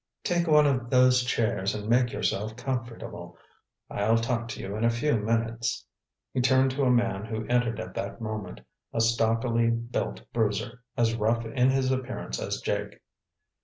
Take one of those chairs and make yourself comfortable. I'll talk to you in a few minutes." He turned to a man who entered at that moment, a stockily built bruiser, as rough in his appearance as Jake.